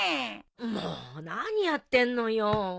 もう何やってんのよ。